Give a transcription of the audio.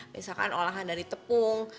misalkan olahan dari tepung